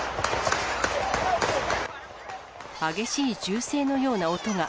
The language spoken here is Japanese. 激しい銃声のような音が。